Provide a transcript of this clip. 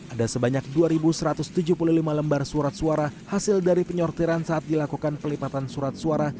ada sebanyak dua satu ratus tujuh puluh lima lembar surat suara hasil dari penyortiran saat dilakukan pelipatan surat suara